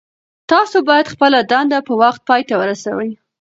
تاسو باید خپله دنده په وخت پای ته ورسوئ.